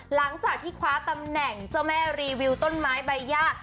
หลังจากที่คว้าตำแหน่งเจ้าแม่รีวิวต้นไม้ใบย่า